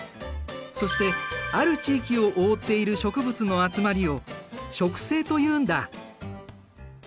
そしてある地域を覆っている植物の集まりを「植生」というんだ。